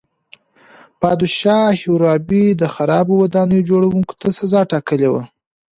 پادشاه هیمورابي د خرابو ودانیو جوړوونکو ته سزا ټاکلې وه.